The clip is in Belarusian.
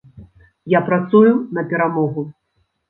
Я працую на перамогу.